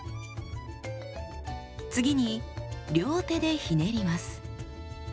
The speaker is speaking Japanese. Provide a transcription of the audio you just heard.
次に両手でひねります。